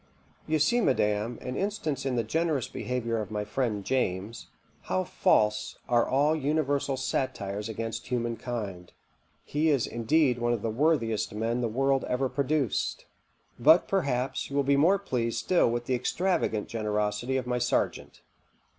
You see, madam, an instance in the generous behaviour of my friend James, how false are all universal satires against humankind. He is indeed one of the worthiest men the world ever produced. "But, perhaps, you will be more pleased still with the extravagant generosity of my sergeant.